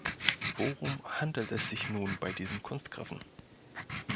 Worum handelt es sich nun bei diesen Kunstgriffen?